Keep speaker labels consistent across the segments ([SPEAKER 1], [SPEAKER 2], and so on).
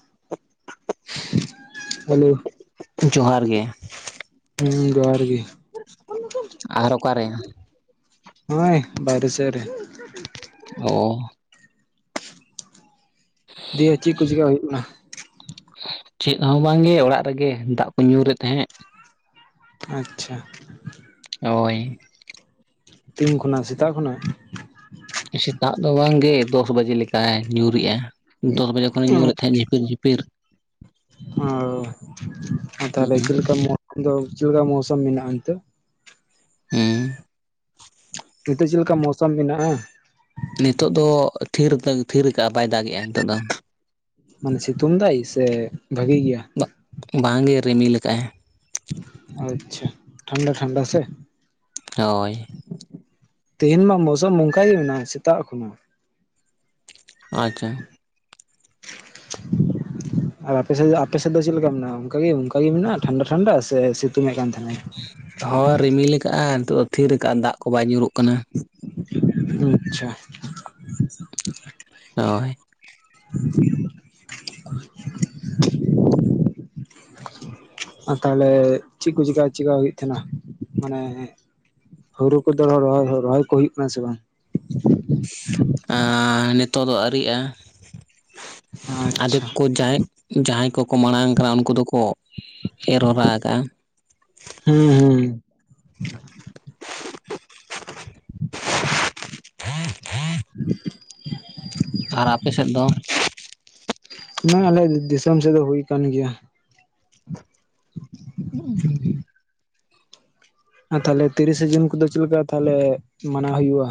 [SPEAKER 1] [inaudible]
[SPEAKER 2] Hello.
[SPEAKER 1] ᱡᱚᱦᱟᱨ ᱜᱮ᱾
[SPEAKER 2] ᱦᱩᱸ ᱡᱚᱦᱟᱨ ᱜᱮ᱾
[SPEAKER 1] ᱟᱨ ᱚᱠᱟᱨᱮ?
[SPEAKER 2] ᱱᱚᱜᱼᱚᱭ ᱵᱟᱭᱨᱮ ᱥᱮᱜ ᱨᱮ᱾ [inaudible]
[SPEAKER 1] ᱚᱻ
[SPEAKER 2] ᱫᱤᱭᱮ ᱪᱮᱫ ᱠᱚ ᱪᱮᱠᱟ ᱦᱩᱭᱩᱜ ᱠᱟᱱᱟ?
[SPEAKER 1] ᱪᱮᱫ ᱦᱚᱸ ᱵᱟᱝᱜᱮ ᱚᱲᱟᱜ ᱨᱮᱜᱮ ᱫᱟᱜ ᱠᱚ ᱧᱩᱨᱮᱫ ᱛᱟᱦᱮᱸᱫ᱾
[SPEAKER 2] ᱟᱪᱪᱷᱟ᱾
[SPEAKER 1] ᱦᱳᱭ᱾
[SPEAKER 2] ᱛᱤᱱ ᱠᱷᱚᱱᱟᱜ ᱥᱮᱛᱟᱜ ᱠᱷᱚᱱᱟᱜ?
[SPEAKER 1] ᱥᱮᱛᱟᱜ ᱫᱚ ᱵᱟᱝᱜᱮ ᱫᱚᱥ ᱵᱟᱡᱮ ᱞᱮᱠᱟ ᱧᱩᱨᱮᱜᱼᱟ᱾ ᱫᱚᱥ ᱵᱟᱡᱮ ᱠᱷᱚᱱᱮ ᱧᱩᱨᱮᱫ ᱛᱟᱦᱮᱸᱫ ᱡᱷᱤᱯᱤᱨ ᱡᱷᱤᱯᱤᱨ᱾
[SPEAKER 2] ᱚ ᱛᱟᱦᱞᱮ
[SPEAKER 1] ᱦᱩᱸ
[SPEAKER 2] ᱪᱮᱫ ᱞᱮᱠᱟ ᱫᱚ ᱪᱮᱫ ᱞᱮᱠᱟ [unintelligible] ᱢᱚᱣᱥᱩᱢ ᱢᱮᱱᱟᱜᱼᱟ ᱱᱤᱛᱳᱜ?
[SPEAKER 1] ᱦᱩᱸ
[SPEAKER 2] ᱱᱤᱛᱚᱜ ᱪᱮᱫ ᱞᱮᱠᱟ ᱢᱳᱥᱚᱢ ᱢᱮᱱᱟᱜᱼᱟ?
[SPEAKER 1] ᱱᱤᱛᱚᱜ ᱫᱚ ᱛᱷᱤᱨ ᱠᱟ ᱛᱷᱤᱨ ᱠᱟᱜᱼᱟ ᱵᱟᱭ ᱫᱟᱜᱮᱜᱼᱟ ᱱᱤᱛᱚᱜ ᱫᱚ᱾
[SPEAKER 2] ᱢᱟᱱᱮ ᱥᱤᱛᱩᱝ ᱫᱟᱭ ᱥᱮ ᱵᱷᱟᱜᱤ ᱜᱮᱭᱟ?
[SPEAKER 1] ᱵᱟᱝᱜᱮ ᱨᱤᱢᱤᱞ ᱠᱟᱜᱼᱟᱭ᱾
[SPEAKER 2] ᱟᱪᱪᱷᱟ ᱴᱷᱟᱱᱰᱟ ᱴᱷᱟᱱᱰᱟ ᱥᱮ?
[SPEAKER 1] ᱦᱳᱭ᱾
[SPEAKER 2] ᱛᱮᱤᱦᱮᱧ ᱢᱟ ᱢᱳᱥᱩᱢ ᱱᱚᱝᱠᱟ ᱜᱮ ᱢᱮᱱᱟᱜᱼᱟ ᱥᱮᱛᱟᱜ ᱠᱷᱚᱱᱟᱜ᱾
[SPEAKER 1] ᱟᱪᱪᱷᱟ᱾ [inaudible]
[SPEAKER 2] ᱟᱨ ᱟᱯᱮ ᱥᱮᱫ ᱫᱚ ᱟᱯᱮ ᱥᱮᱫ ᱫᱚ ᱪᱮᱫ ᱞᱮᱠᱟ ᱢᱮᱱᱟᱜᱼᱟ? ᱚᱱᱠᱟ ᱜᱮ ᱚᱱᱠᱟᱜ ᱜᱮ ᱢᱮᱱᱟᱜᱼᱟ ᱴᱷᱟᱱᱰᱟ ᱴᱷᱟᱱᱰᱟ ᱥᱮ ᱥᱤᱛᱩᱝ ᱮᱫ ᱠᱟᱱ ᱛᱟᱦᱮᱱᱟᱭ?
[SPEAKER 1] ᱦᱳᱭ ᱨᱤᱢᱤᱞ ᱠᱟᱜᱼᱟ ᱱᱤᱛᱳᱜ ᱫᱚ ᱛᱷᱤᱨ ᱠᱟᱜᱼᱟ ᱫᱟᱜ ᱠᱚ ᱵᱟᱭ ᱧᱩᱨᱩᱜ ᱠᱟᱱᱟ᱾
[SPEAKER 2] ᱟᱪᱷᱟ
[SPEAKER 1] ᱦᱳᱭ
[SPEAKER 2] [inaudible] ᱟᱨ ᱛᱟᱦᱚᱞᱮ ᱪᱮᱜ ᱠᱚ ᱪᱤᱠᱟ ᱪᱮᱠᱟ ᱦᱩᱭᱩᱜ ᱛᱟᱦᱮᱱᱟ ᱢᱟᱱᱮ ᱦᱩᱨᱩ ᱠᱚᱫᱚ ᱨ ᱨᱚᱦᱚᱭ ᱠᱚ ᱦᱩᱭᱩᱜ ᱠᱟᱱᱟ ᱥᱮ ᱵᱟᱝ?
[SPEAKER 1] ᱟ ᱱᱤᱛᱚᱜ ᱫᱚ ᱟᱹᱣᱨᱤᱜᱼᱟ ᱟᱫᱮᱠ
[SPEAKER 2] ᱟᱪᱪᱷᱟ
[SPEAKER 1] ᱠᱚ ᱡᱟᱦᱟᱸᱭ ᱡᱟᱦᱟᱸᱭ ᱠᱚᱠᱚ ᱢᱟᱲᱟᱝ ᱠᱟᱱᱟ ᱩᱱᱠᱩ ᱫᱚᱠᱚ ᱮᱨ ᱦᱚᱨᱟ ᱠᱟᱜᱼᱟ
[SPEAKER 2] ᱦᱩᱸ ᱦᱩᱸ [inaudible]
[SPEAKER 1] [inaudible]
[SPEAKER 2] [inaudible]
[SPEAKER 1] ᱟᱨ ᱟᱯᱮ ᱥᱮᱫ ᱫᱚ
[SPEAKER 2] ᱱᱚᱜᱼᱚᱭ ᱟᱞᱮ ᱫᱤᱥᱚᱢ ᱥᱮᱫ ᱫᱚ ᱦᱩᱭ ᱠᱟᱱ ᱜᱮᱭᱟ
[SPEAKER 1] [inaudible]
[SPEAKER 2] ᱟᱨ ᱛᱟᱦᱚᱞᱮ ᱛᱤᱨᱤᱥᱮ ᱡᱩᱱ ᱠᱚᱫᱚ ᱪᱮᱞᱠᱟ ᱛᱟᱦᱚᱞᱮ ᱢᱟᱱᱟᱣ ᱦᱩᱭᱩᱜᱼᱟ?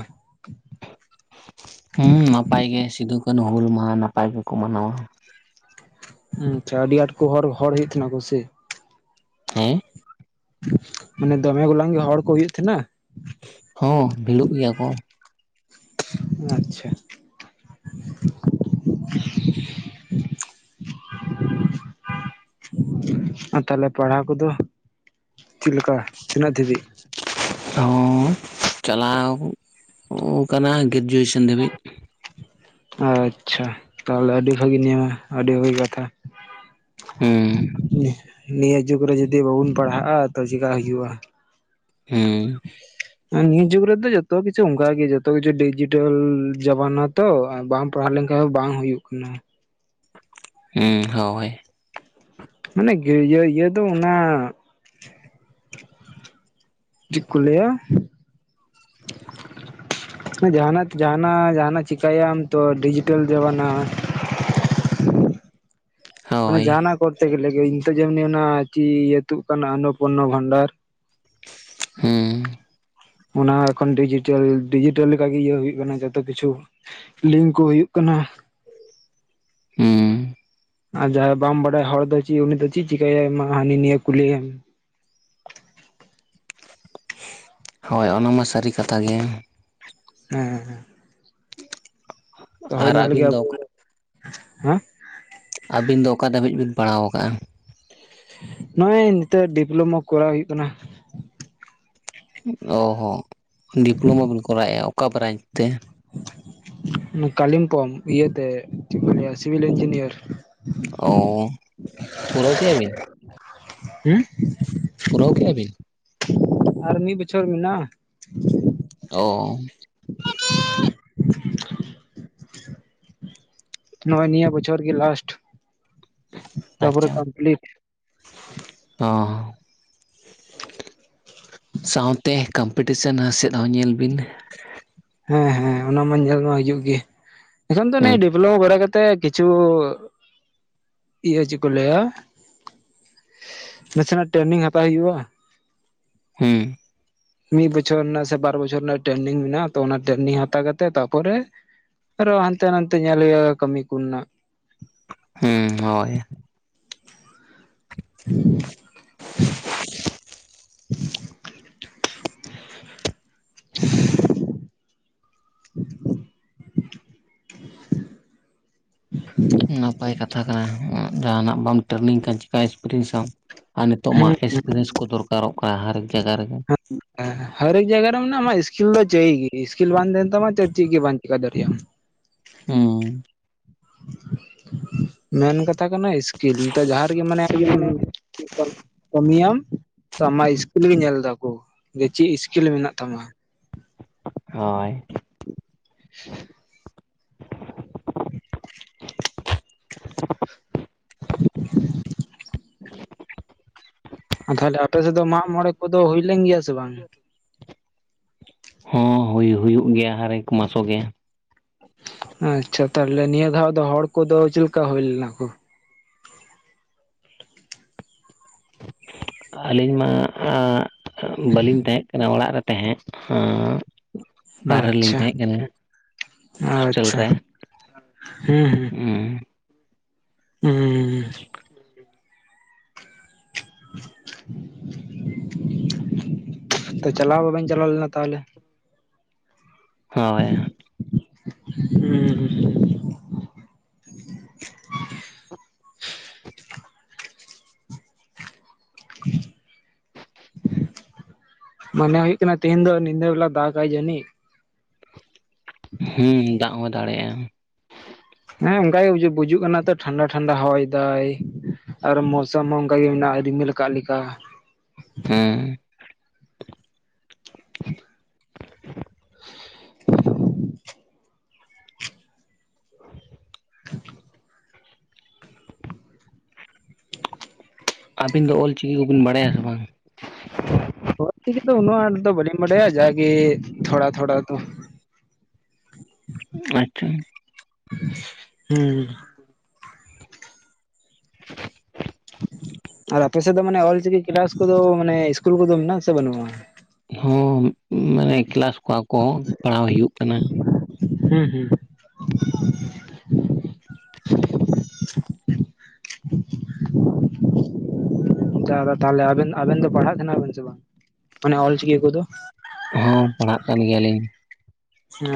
[SPEAKER 1] ᱦᱩᱸ ᱱᱟᱯᱟᱭ ᱜᱮ ᱥᱤᱫᱷᱩ-ᱠᱟᱹᱱᱦᱩ ᱦᱩᱞ ᱢᱟᱦᱟᱸ ᱱᱟᱯᱟᱭ ᱜᱮᱠᱚ ᱢᱟᱱᱟᱣᱟ᱾
[SPEAKER 2] ᱟᱪᱷᱟ ᱟᱹᱰᱤᱰᱤ ᱟᱸᱴ ᱦᱚᱨ ᱦᱚᱲ ᱦᱩᱭᱩᱜ ᱛᱟᱦᱮᱱᱟ ᱠᱚ ᱥᱮ
[SPEAKER 1] ᱦᱮᱸ
[SPEAKER 2] ᱢᱟᱱᱮ ᱫᱚᱢᱮ ᱜᱚᱞᱟᱝ ᱜᱮ ᱦᱚᱲ ᱠᱚ ᱦᱩᱭᱩᱜ ᱛᱟᱦᱮᱸᱱᱟ
[SPEAKER 1] ᱦᱚᱸ ᱵᱷᱤᱲᱚᱜ ᱜᱮᱭᱟ ᱠᱚ
[SPEAKER 2] ᱟᱪᱷᱟ
[SPEAKER 1] [inaudible]
[SPEAKER 2] ᱟᱨ ᱛᱟᱦᱞᱮ ᱯᱟᱲᱦᱟᱣ ᱠᱚᱫᱚ ᱪᱮᱫᱞᱤᱠᱟ ᱛᱤᱱᱟᱹᱜ ᱫᱷᱟᱹᱵᱤᱡ
[SPEAKER 1] ᱦᱚᱸ ᱪᱟᱞᱟᱣ ᱳᱱᱠᱟᱱᱟᱜ ᱜᱽᱨᱮᱡᱩᱣᱮᱥᱟᱱ ᱫᱷᱟᱹᱵᱤᱡ
[SPEAKER 2] ᱟᱪᱷᱟ ᱛᱟᱦᱞᱮ ᱟᱹᱰᱤ ᱵᱷᱟᱹᱜᱤ ᱱᱤᱭᱟ ᱟᱹᱰᱤ ᱵᱷᱟᱹᱜᱤ ᱠᱟᱛᱷᱟ᱾
[SPEAKER 1] ᱦᱩᱸ
[SPEAKER 2] ᱱᱤᱦ ᱱᱤᱭᱟᱹ ᱡᱩᱜᱽ ᱨᱮ ᱡᱩᱫᱤ ᱵᱟᱵᱚᱱ ᱯᱟᱲᱦᱟᱜᱼᱟ ᱛᱚ ᱪᱮᱠᱟ ᱦᱩᱭᱩᱜᱼᱟ?
[SPEAKER 1] ᱦᱮᱸ
[SPEAKER 2] ᱮ ᱱᱤᱭᱟᱹ ᱡᱩᱜᱽ ᱨᱮᱫᱚ ᱡᱚᱛᱚ ᱠᱤᱪᱷᱩ ᱚᱝᱠᱟ ᱜᱮ ᱡᱚᱛᱚ ᱠᱤᱪᱷᱩ ᱰᱤᱡᱤᱴᱮᱞ ᱡᱟᱵᱟᱱᱟ ᱛᱚ ᱟᱵ ᱵᱟᱝ ᱯᱟᱲᱦᱟᱣ ᱞᱮᱱᱠᱷᱟᱱ ᱦᱚᱸ ᱵᱟᱝ ᱦᱩᱭᱩᱜ ᱠᱟᱱᱟ
[SPEAKER 1] ᱦᱩᱸ ᱦᱳᱭ
[SPEAKER 2] ᱢᱟᱱᱮ ᱜᱽᱨᱮ ᱤᱭᱟᱹ ᱤᱭᱟᱹ ᱫᱚ ᱚᱱᱟ ᱪᱤᱠ ᱠᱚ ᱞᱟᱹᱭᱟ ᱡᱟᱦᱟᱱᱟᱛ ᱡᱟᱦᱟᱱᱟᱜ ᱡᱟᱦᱟᱱᱟᱜ ᱪᱤᱠᱟᱹᱭᱟᱢ ᱛᱚ ᱰᱤᱡᱤᱴᱟᱞ ᱡᱟᱵᱟᱱᱟ ᱢᱟᱱᱮ
[SPEAKER 1] ᱦᱳᱭ
[SPEAKER 2] ᱡᱟᱦᱟᱱᱟᱜ ᱠᱚᱨᱛᱮ ᱜᱮᱞᱮ ᱜᱮ ᱱᱤᱛᱚᱜ ᱡᱮᱢᱱᱤ ᱚᱱᱟ ᱪᱤ ᱟᱹᱛᱩᱜ ᱠᱟᱱᱟ ᱚᱱᱱᱚᱯᱚᱨᱱᱚ ᱵᱷᱟᱱᱰᱟᱨ
[SPEAKER 1] ᱦᱮᱸ
[SPEAKER 2] ᱚᱱᱟ ᱮᱠᱷᱚᱱ ᱰᱤᱡᱤᱴᱟᱞ ᱰᱤᱡᱤᱴᱟᱞ ᱞᱮᱠᱟᱜᱮ ᱤᱭᱟᱹ ᱦᱩᱭᱩᱜ ᱠᱟᱱᱟ ᱡᱚᱛᱚ ᱠᱤᱪᱷᱩ ᱞᱤᱝᱠ ᱠᱚ ᱦᱩᱭᱩᱜ ᱠᱟᱱᱟ
[SPEAKER 1] ᱦᱩᱸ
[SPEAKER 2] ᱟᱨ ᱡᱟᱦᱟᱸᱭ ᱵᱟᱢ ᱵᱟᱲᱟᱭ ᱦᱚᱲ ᱫᱚ ᱪᱤᱜ ᱩᱱᱤ ᱫᱚ ᱪᱤᱜ ᱪᱤᱠᱟᱹᱭᱟᱭ ᱢᱟ ᱦᱟᱹᱱᱤ ᱱᱤᱭᱟᱹ ᱠᱩᱞᱤᱭᱮᱢ
[SPEAKER 1] ᱦᱳᱭ ᱚᱱᱟ ᱢᱟ ᱥᱟᱹᱨᱤ ᱠᱟᱛᱷᱟ ᱜᱮ
[SPEAKER 2] ᱦᱮᱸ ᱦᱮᱸ ᱦᱮᱸ ᱛᱚ
[SPEAKER 1] ᱟᱨ
[SPEAKER 2] ᱦᱳᱭᱱᱟ ᱞᱟᱹᱜᱤ
[SPEAKER 1] ᱟᱹᱵᱤᱱ
[SPEAKER 2] ᱟᱵᱩ
[SPEAKER 1] ᱫᱚ
[SPEAKER 2] ᱦᱮᱸ
[SPEAKER 1] ᱟᱹᱵᱤᱱ ᱫᱚ ᱚᱠᱟ ᱫᱷᱟᱹᱵᱤᱡ ᱵᱤᱱ ᱯᱟᱲᱟᱣ ᱠᱟᱜᱼᱟ
[SPEAKER 2] ᱱᱚᱜᱼᱚᱭ ᱱᱤᱛᱚᱜ ᱰᱤᱯᱞᱳᱢᱟ ᱠᱚᱨᱟᱣ ᱦᱩᱭᱩᱜ ᱠᱟᱱᱟ
[SPEAKER 1] ᱳ ᱦᱚᱸ ᱰᱤᱯᱞᱳᱢᱟᱵᱤᱱ ᱠᱚᱨᱟᱣᱮᱜᱼᱟ ᱚᱠᱟ ᱵᱽᱨᱟᱧᱪ ᱛᱮ?
[SPEAKER 2] ᱠᱟᱞᱤᱢᱯᱚᱝ ᱤᱭᱟᱹᱛᱮ ᱪᱮᱜ ᱠᱚ ᱞᱟᱹᱭᱟ ᱥᱤᱵᱤᱞ ᱤᱧᱡᱤᱱᱤᱭᱟᱨ
[SPEAKER 1] ᱳ ᱯᱩᱨᱟᱹᱣ ᱠᱮᱜ ᱟᱹᱵᱤᱱ
[SPEAKER 2] ᱦᱩᱸ
[SPEAKER 1] ᱯᱩᱨᱟᱹᱣ ᱠᱤᱜᱼᱟ ᱵᱤᱱ
[SPEAKER 2] ᱟᱨ ᱢᱤᱫ ᱵᱚᱪᱷᱚᱨ ᱢᱮᱱᱟᱜᱼᱟ
[SPEAKER 1] ᱚᱸ᱾
[SPEAKER 2] [unintelligible] ᱱᱚᱜᱼᱚᱭ ᱱᱤᱭᱟᱹ ᱵᱚᱪᱷᱚᱨ ᱜᱮ ᱞᱟᱥᱴ ᱾
[SPEAKER 1] ᱟᱪᱷᱟ ᱚ᱾ ᱥᱟᱶᱛᱮ ᱠᱚᱢᱯᱤᱴᱤᱥᱮᱱ ᱥᱮᱫ ᱦᱚᱸ ᱧᱮᱞ ᱵᱤᱱ᱾
[SPEAKER 2] ᱦᱮᱸ ᱦᱮᱸ ᱚᱱᱟ ᱢᱟ ᱧᱮᱞ ᱢᱟ ᱦᱩᱭᱩ ᱜᱮ ᱮᱠᱷᱚᱱ ᱫᱚ ᱱ
[SPEAKER 1] ᱦᱩᱸ
[SPEAKER 2] ᱰᱮᱵᱷᱞᱚᱯ ᱵᱟᱲᱟ ᱠᱟᱛᱮᱫ ᱛᱮ ᱠᱤᱪᱷᱩ, ᱤᱭᱟᱹ ᱪᱮᱫ ᱠᱚ ᱞᱟᱹᱭᱟ ᱱᱟᱥᱮᱱᱟᱜ ᱴᱨᱮᱱᱤᱝ ᱦᱟᱛᱟᱣ ᱦᱩᱭᱩᱜᱼᱟ ᱾
[SPEAKER 1] ᱦᱩᱸ ᱾
[SPEAKER 2] ᱢᱤᱫ ᱵᱚᱪᱷᱚᱨ ᱨᱮᱱᱟᱜ ᱥᱮ ᱵᱟᱨ ᱵᱚᱪᱷᱚᱨ ᱨᱮᱱᱟᱜ ᱴᱨᱮᱱᱤᱝ ᱢᱮᱱᱟᱜᱼᱟ ᱛᱚ ᱚᱱᱟ ᱴᱨᱮᱱᱤᱝ ᱦᱟᱛᱟᱣ ᱠᱟᱛᱮᱜ ᱛᱟᱨᱯᱚᱨᱮᱼᱼ ᱟᱨᱚ ᱦᱟᱱᱛᱮ ᱱᱟᱦᱛᱮ ᱧᱮᱞ ᱦᱩᱭᱩᱜᱼᱟ ᱠᱟᱹᱢᱤ ᱠᱩᱱᱱᱟ
[SPEAKER 1] ᱦᱩᱸ ᱦᱳᱭ᱾
[SPEAKER 2] [unintelligible] [unintelligible] [unintelligible]
[SPEAKER 1] ᱱᱟᱯᱟᱭ ᱠᱟᱛᱷᱟ ᱠᱟᱱᱟ ᱡᱟᱦᱟᱱᱟᱜ ᱵᱟᱢ ᱴᱨᱮᱱᱤᱝ ᱠᱷᱟᱱ ᱪᱮᱠᱟ ᱮᱠᱥᱯᱨᱤᱭᱮᱱᱥᱟᱢ ᱾ ᱟᱨ ᱱᱤᱛᱚᱜ ᱢᱟ
[SPEAKER 2] ᱦᱩᱸ
[SPEAKER 1] ᱮᱠᱥᱯᱨᱤᱭᱮᱱᱥ ᱠᱚ ᱫᱚᱨᱠᱟᱨᱚᱜ ᱠᱟᱱᱟ ᱦᱟᱨᱮᱠ ᱡᱟᱭᱜᱟ ᱨᱮᱜᱮ᱾
[SPEAKER 2] ᱦᱟᱨᱮᱠ ᱡᱟᱭᱜᱟ ᱨᱮ ᱢᱮᱱᱟᱜᱼᱟ ᱟᱢᱟᱜ ᱥᱠᱤᱞ ᱫᱚ ᱪᱟᱹᱦᱤᱜᱤ ᱜᱮ ᱥᱠᱤᱞ ᱵᱟᱝ ᱛᱟᱦᱮᱱ ᱛᱟᱢᱟ ᱪᱮᱫ ᱜᱮ ᱵᱟᱢ ᱪᱮᱟᱹ ᱫᱟᱲᱮᱭᱟᱜ ᱟᱢᱼᱼ
[SPEAKER 1] ᱦᱩᱸ᱾
[SPEAKER 2] ᱢᱮᱱ ᱠᱟᱛᱷᱟ ᱠᱟᱱᱟ ᱤᱥᱠᱤᱞ ᱱᱤᱛ ᱡᱟᱦᱟᱸ ᱨᱮᱜᱮ ᱢᱟᱱᱮᱼᱼ ᱠᱟᱹᱢᱤᱭᱟᱢ ᱛᱚ ᱟᱢᱟᱜ ᱤᱥᱠᱤᱞ ᱜᱮ ᱧᱮᱞ ᱫᱟᱠᱩ ᱾ ᱡᱮ ᱪᱮᱫ ᱤᱥᱠᱤᱞ ᱢᱮᱱᱟᱜ ᱛᱟᱢᱟ᱾
[SPEAKER 1] ᱦᱳᱭ᱾
[SPEAKER 2] [unintelligible] [unintelligible] ᱟᱨ ᱛᱟᱦᱚᱞᱮ ᱟᱯᱮᱥᱮᱫ ᱫᱚ ᱢᱟᱜ ᱢᱚᱬᱮ ᱠᱚᱫᱚ ᱦᱩᱭ ᱞᱮᱱ ᱜᱮᱭᱟ ᱥᱮ ᱵᱟᱝ?
[SPEAKER 1] ᱦᱚᱸ ᱦᱩᱭ ᱦᱩᱭᱩᱜ ᱜᱮᱭᱟ ᱦᱟᱨᱮᱠ ᱢᱟᱥᱚ ᱜᱮ᱾
[SPEAKER 2] ᱟᱪᱷᱟ ᱛᱟᱦᱚᱞᱮ ᱱᱤᱭᱟᱹ ᱫᱷᱟᱣ ᱫᱚ ᱦᱚᱲ ᱠᱚᱫᱚ ᱪᱮᱫᱞᱮᱠᱟ ᱦᱩᱭ ᱞᱮᱱᱟ ᱠᱚ᱾
[SPEAKER 1] ᱟᱹᱞᱤᱧ ᱢᱟ ᱵᱟᱹᱞᱤᱧ ᱛᱟᱦᱮᱸ ᱠᱟᱱᱟ ᱚᱲᱟᱜ ᱨᱮ ᱛᱟᱦᱮᱸᱫᱼᱼ ᱵᱟᱨᱦᱮ ᱨᱮᱞᱤᱧ ᱛᱟᱦᱮᱸ ᱠᱟᱱᱟ᱾ ᱦᱳᱥᱴᱮᱞ
[SPEAKER 2] ᱟᱪᱷᱟ
[SPEAKER 1] ᱨᱮ
[SPEAKER 2] ᱦᱮᱸ-ᱦᱮᱸ᱾
[SPEAKER 1] ᱦᱩᱸ
[SPEAKER 2] ᱦᱩᱸ᱾
[SPEAKER 1] [inaudible]
[SPEAKER 2] ᱛᱚ ᱪᱟᱞᱟᱣ ᱵᱟᱵᱮᱱ ᱪᱟᱞᱟᱣ ᱞᱮᱱᱟ ᱛᱟᱦᱚᱞᱮ?
[SPEAKER 1] ᱦᱳᱭ᱾
[SPEAKER 2] ᱦᱩᱸ ᱦᱸ᱾ ᱢᱚᱱᱮ ᱦᱩᱭᱩᱜ ᱠᱟᱱᱟ ᱛᱮᱦᱤᱧ ᱫᱚ ᱧᱤᱫᱟᱹ ᱵᱮᱞᱟ ᱫᱟᱜᱟᱭ ᱡᱟᱹᱱᱤᱡ?
[SPEAKER 1] ᱦᱩᱸ ᱫᱟᱜ ᱦᱚᱸ ᱫᱟᱲᱮᱭᱟᱜᱼᱟ ᱾
[SPEAKER 2] ᱦᱮᱸ ᱚᱱᱠᱟᱜᱮ ᱵᱩᱡᱩᱜ ᱠᱟᱱᱟ ᱛᱚ ᱴᱷᱟᱱᱰᱟ ᱴᱷᱟᱱᱰᱟ ᱦᱚᱭ ᱫᱟᱭᱼᱼ ᱟᱨ ᱢᱚᱥᱟᱢ ᱦᱚᱸ ᱚᱱᱠᱟ ᱜᱮ ᱢᱮᱱᱟᱜᱼᱟ ᱨᱤᱢᱤᱞ ᱟᱠᱟᱜ ᱞᱮᱠᱟ ᱾
[SPEAKER 1] ᱦᱩᱸ᱾
[SPEAKER 2] [unintelligible]
[SPEAKER 1] [unintelligible] [unintelligible] ᱟᱹᱵᱤᱱ ᱫᱚ ᱚᱞ ᱪᱤᱠᱤ ᱠᱚᱵᱤᱱ ᱵᱟᱲᱟᱭᱟ ᱥᱮ ᱵᱟᱝ?
[SPEAKER 2] ᱚᱞ ᱪᱤᱠᱤ ᱫᱚ ᱩᱱᱟᱹᱜ ᱟᱸᱴ ᱫᱚ ᱵᱟᱹᱞᱤᱧ ᱵᱟᱰᱟᱭᱟ ᱡᱟᱜᱮ, ᱛᱷᱚᱲᱟ ᱛᱷᱚᱲᱟ ᱫᱚ᱾ [unintelligible]
[SPEAKER 1] ᱟᱪᱷᱟ᱾
[SPEAKER 2] ᱦᱩᱸ᱾
[SPEAKER 1] [inaudible]
[SPEAKER 2] ᱟᱨ ᱟᱯᱮ ᱥᱮᱫ ᱫᱚ ᱢᱟᱱᱮ ᱚᱞ ᱪᱤᱠᱤ ᱠᱮᱞᱟᱥ ᱠᱚᱫᱚ ᱢᱟᱱᱮ ᱤᱥᱠᱩᱞ ᱠᱚᱫᱚ ᱢᱮᱱᱟᱼᱜ ᱟᱥᱮ ᱵᱟᱹᱱᱩᱜᱼᱟ?
[SPEAKER 1] ᱦᱚᱸ ᱢᱟᱱᱮ ᱠᱮᱞᱟᱥ ᱠᱚᱣᱟᱜ ᱠᱚ ᱯᱟᱲᱦᱟᱣ ᱦᱩᱭᱩᱜ ᱠᱟᱱᱟ᱾
[SPEAKER 2] ᱦᱩᱸ-ᱦᱩᱸ᱾ ᱡᱟᱦᱟᱸ ᱫᱚ ᱛᱟᱦᱚᱞᱮ ᱟᱵᱮᱱ, ᱟᱵᱮᱱ ᱫᱚ ᱯᱟᱲᱦᱟᱜ ᱠᱟᱱᱟ ᱵᱤᱱ ᱥᱮ ᱵᱟᱝ ᱢᱟᱱᱮ ᱚᱞ ᱪᱤᱠᱤ ᱠᱚᱫᱚ?
[SPEAKER 1] ᱦᱚᱸ ᱯᱟᱲᱦᱟᱜ ᱠᱟᱱ ᱜᱮᱭᱟᱞᱤᱧ᱾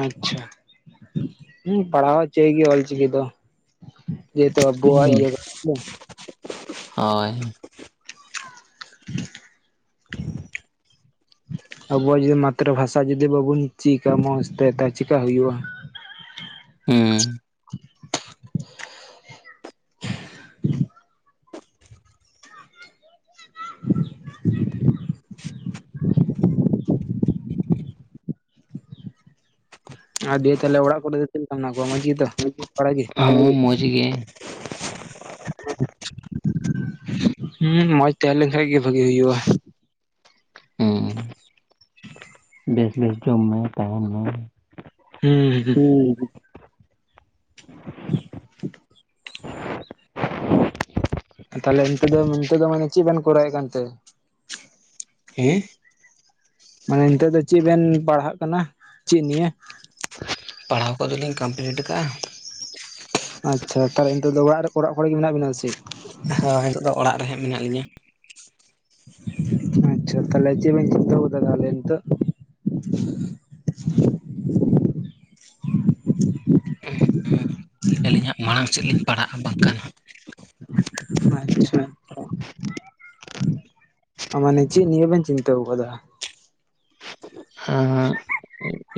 [SPEAKER 2] ᱟᱪᱷᱟ, ᱦᱮᱸ ᱯᱟᱲᱦᱟᱣ ᱪᱟᱹᱭ ᱜᱮ ᱚᱞᱪᱤᱠᱤ ᱫᱚ᱾ ᱡᱮᱦᱮᱛᱩ ᱟᱵᱚᱣᱟᱜ ᱤᱭᱟᱹ
[SPEAKER 1] ᱦᱳᱭ᱾
[SPEAKER 2] [inaudible] ᱟᱵᱚᱣᱟᱜ ᱡᱚᱫᱤ ᱢᱟᱛᱨᱤ ᱵᱷᱟᱥᱟ ᱡᱚᱫᱤ ᱵᱟᱵᱚᱱ ᱪᱮᱫ ᱠᱟ ᱢᱚᱸᱡᱽᱛᱮ ᱛᱟᱦᱮ ᱪᱮᱠᱟ ᱦᱩᱭᱩᱜᱼᱟ ᱾
[SPEAKER 1] ᱦᱩᱸ᱾
[SPEAKER 2] [inaudible] [inaudible] ᱟ ᱫᱤᱭᱮ ᱛᱟᱦᱞᱮ ᱚᱲᱟᱜ ᱠᱚᱨᱮ ᱫᱚ ᱪᱮᱫ ᱞᱮᱠᱟ ᱢᱮᱱᱟᱜ ᱠᱚᱣᱟ ᱢᱚᱡ ᱜᱮ ᱛᱚ?
[SPEAKER 1] ᱦᱚᱸ ᱢᱚᱡᱽ ᱜᱮ᱾
[SPEAKER 2] [unintelligible] ᱦᱩᱸ ᱢᱚᱡᱽ ᱛᱟᱦᱮᱸᱞᱮᱱ ᱠᱷᱟᱡ ᱜᱮ ᱵᱷᱟᱜᱤ ᱦᱩᱭᱩᱜᱼᱟ
[SPEAKER 1] ᱦᱩᱸ ᱵᱮᱥ ᱵᱮᱥ ᱡᱚᱢ ᱢᱮ ᱛᱟᱦᱮᱱ ᱢᱮ,
[SPEAKER 2] ᱦᱩᱸᱸ,
[SPEAKER 1] ᱦᱩᱸ ᱦᱩᱸ
[SPEAKER 2] [inaudible] ᱛᱟᱦᱚᱞᱮ ᱱᱤᱛ ᱫᱚ ᱱᱤᱛᱚᱜ ᱫᱚ ᱢᱟᱱᱮ ᱪᱮᱫ ᱵᱮᱱ ᱠᱚᱨᱟᱣᱮᱫ ᱠᱟᱱᱛᱮ?
[SPEAKER 1] ᱦᱮᱸ,
[SPEAKER 2] ᱢᱟᱱᱮ ᱱᱤᱛᱚᱜ ᱫᱚ ᱪᱮᱫ ᱵᱮᱱ ᱯᱟᱲᱦᱟᱜ ᱠᱟᱱᱟ? ᱪᱮᱜ ᱱᱤᱭᱮ?
[SPEAKER 1] ᱯᱟᱲᱦᱟᱣ ᱠᱚᱫᱚᱞᱤᱧ ᱠᱟᱢᱯᱞᱤᱴ ᱠᱟᱜᱼᱟ᱾
[SPEAKER 2] ᱟᱪᱪᱷᱟ ᱛᱟᱦᱚᱞᱮ ᱱᱤᱛᱚᱜ ᱫᱚ ᱚᱲᱟᱜ ᱨᱮ ᱚᱲᱟᱜ ᱠᱚᱨᱮ ᱜᱮ ᱢᱮᱱᱟᱜ ᱵᱮᱱᱟ ᱥᱮ,
[SPEAKER 1] ᱦᱮᱸ ᱱᱤᱛᱳᱜ ᱫᱚ ᱚᱲᱟᱜ ᱨᱮ ᱦᱟᱸᱜ ᱢᱮᱱᱟᱜ ᱞᱤᱧᱟ᱾
[SPEAKER 2] ᱟᱪᱪᱷᱟ ᱟᱪᱪᱷᱟ ᱛᱟᱦᱚᱞᱮ ᱪᱮᱫ ᱵᱤᱱ ᱪᱤᱱᱛᱟ ᱟᱠᱟᱫᱟ ᱱᱤᱛᱚᱜ?
[SPEAKER 1] ᱞᱟ. ᱭ ᱟᱹᱞᱤᱧ ᱦᱟᱸᱜ ᱢᱟᱲᱟᱝ ᱥᱮᱫ ᱞᱤᱧ ᱯᱟᱲᱦᱟᱜᱼᱟ ᱵᱟᱝᱠᱷᱟᱱ ᱦᱟᱸᱜ
[SPEAKER 2] ᱟᱪᱪᱷᱟ᱾ ᱢᱟᱱᱮ ᱪᱮᱜ ᱱᱤᱭᱟᱹ ᱵᱮᱱ ᱪᱤᱱᱛᱟᱹᱣ ᱟᱠᱟᱫᱟ?
[SPEAKER 1] ᱦᱚᱸ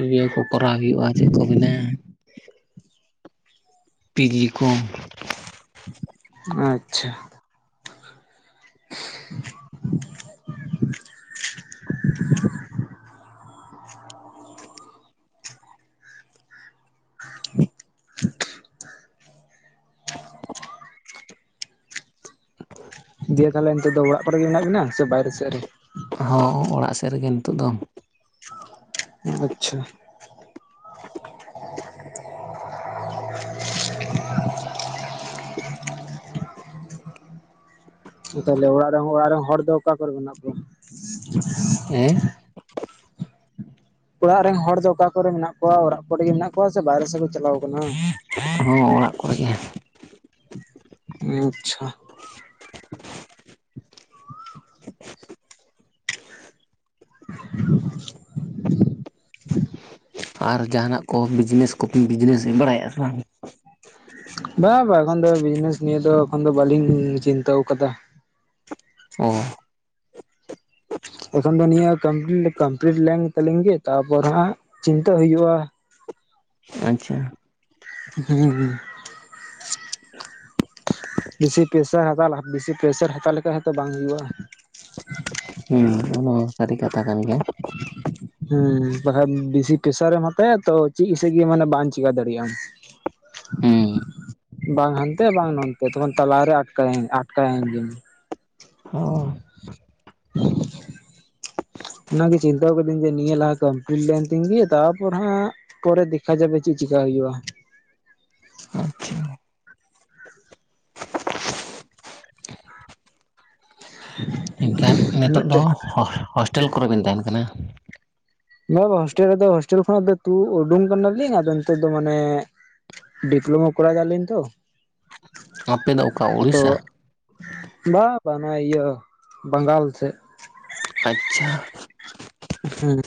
[SPEAKER 1] ᱤᱭᱟᱹ ᱠᱚ ᱠᱚᱨᱟᱣ ᱦᱩᱭᱩᱜᱼᱟ ᱪᱮᱜ ᱠᱚ ᱢᱮᱱᱟ, ᱯᱤ ᱡᱤ ᱠᱚ᱾
[SPEAKER 2] ᱟᱪᱪᱷᱟ᱾ [inaudible] ᱫᱤᱭᱮ ᱛᱟᱦᱚᱞᱮ ᱱᱤᱛᱚᱜ ᱫᱚ ᱚᱲᱟᱜ ᱠᱚᱨᱮᱜ ᱜᱮ ᱢᱮᱱᱟᱜ ᱵᱤᱱᱟ ᱥᱮ ᱵᱟᱭᱨᱮ ᱥᱮᱜ ᱨᱮ,
[SPEAKER 1] ᱦᱚᱸ ᱚᱲᱟᱜ ᱥᱮᱫ ᱨᱮᱜᱮ ᱱᱤᱛᱚᱜ ᱫᱚ᱾
[SPEAKER 2] ᱟᱪᱪᱷᱟ ᱾ ᱛᱟᱦᱞᱮ ᱚᱲᱟᱜ ᱨᱮᱦ ᱚᱲᱟᱜ ᱨᱮᱱ ᱦᱚᱲ ᱫᱚ ᱚᱠᱟ ᱠᱚᱨᱮ ᱢᱮᱱᱟᱜ ᱠᱚᱣᱟ?
[SPEAKER 1] ᱦᱮᱸ,
[SPEAKER 2] ᱚᱲᱟᱜ ᱨᱮᱱ ᱦᱚᱲ ᱫᱚ ᱚᱠᱟ ᱠᱚᱨᱮ ᱢᱮᱱᱟᱜ ᱠᱚᱣᱟ ᱚᱲᱟᱜ ᱠᱚᱨᱮᱜ ᱢᱮᱱᱟᱜ ᱠᱚᱣᱟ? ᱥᱮ ᱵᱟᱦᱨᱮ ᱥᱮᱫ ᱠᱚ ᱪᱟᱞᱟᱣ ᱟᱠᱟᱱᱟ?
[SPEAKER 1] ᱦᱚᱸ ᱚᱲᱟᱜ ᱠᱚᱨᱮᱜᱮ᱾
[SPEAKER 2] ᱟᱪᱪᱷᱟ᱾ [inaudible]
[SPEAKER 1] ᱟᱨ ᱡᱟᱦᱟᱱᱟᱜ ᱠᱚ ᱵᱤᱡᱽᱱᱮᱥ ᱠᱚᱵᱤᱱ ᱵᱤᱡᱽᱱᱮᱥ ᱤ ᱵᱟᱲᱟᱭᱼᱟ ᱥᱮ ᱵᱟᱝ?
[SPEAKER 2] ᱵᱟᱝ ᱵᱟᱝ ᱮᱠᱷᱚᱱ ᱫᱚ ᱵᱤᱡᱽᱱᱮᱥ ᱱᱤᱭᱟᱹ ᱫᱚ ᱮᱠᱷᱚᱱ ᱫᱚ ᱵᱟᱞᱤᱧ ᱪᱤᱱᱛᱟᱹᱣ ᱟᱠᱟᱫᱟ᱾
[SPEAKER 1] ᱚ,
[SPEAKER 2] ᱮᱠᱷᱚᱱ ᱫᱚ ᱱᱤᱭᱟᱹᱠᱟᱢᱯᱞᱤᱴ ᱠᱟᱢᱯᱞᱤᱴ ᱞᱮᱱ ᱛᱟᱹᱟᱞᱤᱧ ᱜᱮ ᱛᱟᱯᱚᱨ ᱦᱟᱸᱜ ᱪᱤᱱᱛᱟᱹ ᱦ ᱦᱩᱭᱩᱜᱭᱼᱟ᱾
[SPEAKER 1] ᱟᱪᱪᱷᱟ ᱾
[SPEAKER 2] ᱦᱮᱸᱻ ᱵᱮᱥᱤ ᱯᱮᱥᱟᱨ ᱦᱟᱛᱟᱣ ᱞᱟᱦᱟ ᱵᱮᱥᱤ ᱯᱮᱥᱟᱨ ᱦᱟᱛᱟᱣ ᱞᱮᱠᱟᱱᱛᱚ ᱵᱟᱝ ᱦᱩᱭᱩᱜᱼᱟ᱾
[SPEAKER 1] ᱦᱮᱸ ᱚᱱᱟᱢᱟ ᱥᱟᱹᱨᱤ ᱠᱟᱛᱷᱟ ᱠᱟᱱ ᱜᱮᱭᱟ᱾
[SPEAKER 2] ᱦᱮᱸ ᱵᱟᱠᱟᱡ ᱵᱮᱥᱤ ᱯᱮᱥᱟᱨ ᱨᱮᱢ ᱦᱟᱛᱟᱭᱟ ᱛᱚ ᱪᱮᱜᱥᱤ ᱜᱮ ᱢᱟᱱᱮ ᱵᱟᱢ ᱪᱮᱠᱟ ᱫᱟᱲᱮᱭᱟᱜ ᱟᱢ᱾
[SPEAKER 1] ᱦᱮᱸ
[SPEAKER 2] [inaudible] ᱵᱟᱝ ᱦᱟᱱᱛᱮ ᱵᱟᱝ ᱱᱚᱱᱛᱮ ᱛᱚᱠᱷᱚᱱ ᱛᱟᱞᱟᱨᱮ ᱟᱴᱠᱟᱭ ᱟᱴᱠᱟᱭᱮᱱ ᱜᱮᱢ᱾
[SPEAKER 1] [unintelligible] [inaudible]
[SPEAKER 2] ᱚᱱᱟᱜᱮ ᱪᱤᱱᱛᱟᱹᱣ ᱠᱟᱹᱫᱟᱹᱧ ᱡᱮ ᱱᱤᱭᱟᱹ ᱞᱟᱦᱟ ᱠᱟᱢᱯᱤᱞᱤᱴ ᱞᱮᱱ ᱛᱤᱧ ᱜᱤ ᱛᱟᱯᱚᱨ ᱦᱟᱸᱜ, ᱯᱚᱨᱮ ᱫᱮᱠᱷᱟ ᱡᱟᱵᱮ ᱪᱮᱫ ᱪᱮᱠᱟ ᱦᱩᱭᱩᱜᱼᱟ᱾
[SPEAKER 1] [unintelligible]
[SPEAKER 2] [inaudible]
[SPEAKER 1] ᱮᱱᱠᱷᱟᱱ ᱱᱤᱛᱚᱜ ᱫᱚ
[SPEAKER 2] ᱢᱤᱫᱴᱮᱡ
[SPEAKER 1] ᱦᱚ ᱦᱳᱥᱴᱮᱞ ᱠᱚᱨᱮ ᱵᱤᱱ ᱛᱟᱦᱮᱱ ᱠᱟᱱᱟ᱾
[SPEAKER 2] ᱵᱟᱵᱟ ᱦᱳᱥᱴᱮᱞ ᱨᱮᱫᱚ ᱦᱳᱥᱴᱮᱞ ᱠᱷᱚᱱᱟᱜ ᱫᱚ ᱛᱩ ᱩᱰᱩᱝ ᱠᱟᱱᱟᱞᱤᱧ ᱟᱫᱚ ᱱᱤᱛᱚᱜ ᱫᱚ ᱢᱟᱱᱮ ᱰᱤᱯᱞᱳᱢᱟ ᱠᱚᱨᱟᱣ ᱫᱟᱞᱤᱧ ᱛᱚ
[SPEAKER 1] ᱟᱯᱮ ᱫᱚ ᱚᱠᱟ ᱩᱲᱤᱥᱥᱟ
[SPEAKER 2] ᱵᱟ ᱵᱟ ᱱᱚᱣᱟ ᱤᱭᱟᱹ ᱵᱟᱝᱜᱟᱞ ᱥᱮᱫ
[SPEAKER 1] ᱟᱪᱪᱷᱟ
[SPEAKER 2] ᱦᱩᱸ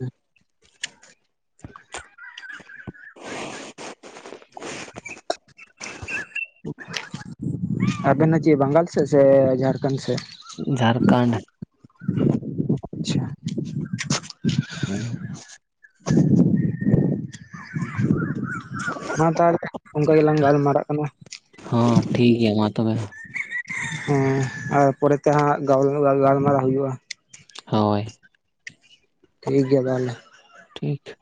[SPEAKER 2] ᱟᱵᱮᱱ ᱫᱚ ᱪᱮᱫ ᱵᱟᱝᱜᱟᱞ ᱥᱮᱫ ᱥᱮ ᱡᱷᱟᱲᱠᱷᱚᱸᱰ ᱥᱮᱫ
[SPEAKER 1] ᱡᱷᱟᱨᱠᱷᱚᱸᱰ
[SPEAKER 2] ᱟᱪᱪᱷᱟ
[SPEAKER 1] [unintelligible] [inaudible]
[SPEAKER 2] ᱢᱟ ᱛᱟᱦᱞᱮ ᱚᱱᱠᱟ ᱜᱮᱞᱟᱝ ᱜᱟᱞᱢᱟᱨᱟᱜ ᱠᱟᱱᱟ
[SPEAKER 1] ᱦᱚᱸᱴᱷᱤᱠ ᱜᱮᱭᱟ ᱢᱟ ᱛᱚᱵᱮ
[SPEAKER 2] ᱦᱮᱸ ᱟᱨ ᱯᱚᱨᱮ ᱛᱮ ᱦᱟᱸᱜ ᱜᱟᱞ ᱜᱟᱞᱢᱟᱨᱟᱣ ᱦᱩᱭᱩᱜᱼᱟ
[SPEAKER 1] ᱦᱚᱭ
[SPEAKER 2] ᱴᱷᱤᱠ ᱜᱮᱭᱟ ᱛᱟᱦᱚᱞᱮ
[SPEAKER 1] ᱴᱷᱤᱠ